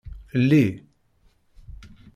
Lli.